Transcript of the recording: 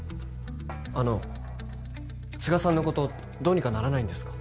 あの都賀さんのことどうにかならないんですか？